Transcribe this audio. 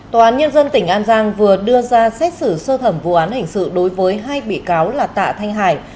tòa án nhân dân tỉnh an giang vừa đưa ra xét xử sơ thẩm vụ án hình sự đối với hai bị cáo là tạ thanh hải